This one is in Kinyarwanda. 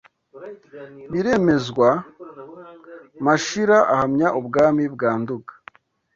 biremezwa Mashira ahamya ubwami bwa Nduga